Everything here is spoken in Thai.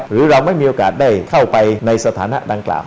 หรือเราไม่มีโอกาสได้เข้าไปในสถานะดังกล่าว